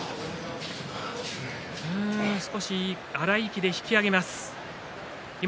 荒い息で引き揚げます。